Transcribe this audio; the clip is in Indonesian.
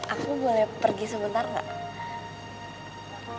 aku boleh pergi sebentar nggak